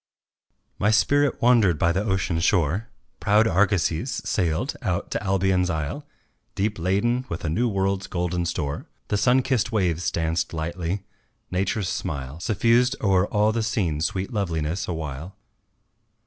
My spirit wandered by the ocean shore; Proud argosies sailed out to Albion's isle Deep laden with a new world's golden store, The sun kissed waves danced lightly, Nature's smile Suffused o'er all the scene sweet loveliness awhile.